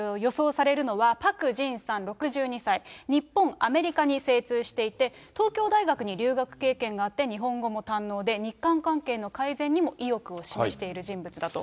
それから外相として予想されるのはパク・ジンさん６２歳、日本、アメリカに精通していて、東京大学に留学経験があって、日本語も堪能で、日韓関係の改善にも意欲を示している人物だと。